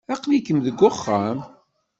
Aql-ikem deg uxxam.